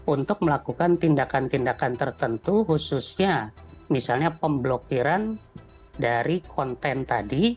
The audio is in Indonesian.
untuk melakukan tindakan tindakan tertentu khususnya misalnya pemblokiran dari konten tadi